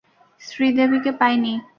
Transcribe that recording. শ্রী দেবীকে পাইনি।